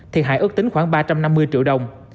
thiệt hại ước tính khoảng ba trăm năm mươi triệu đồng